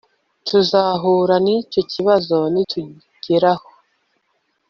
Tuzahura nicyo kibazo nitugeraho